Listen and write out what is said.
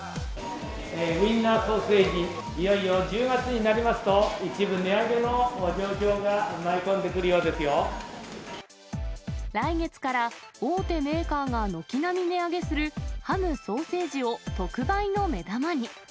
ウインナーソーセージ、いよいよ１０月になりますと、一部値上げの状況が舞い込んでく来月から、大手メーカーが軒並み値上げするハム・ソーセージを特売の目玉に。